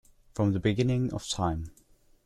From the beginning of time.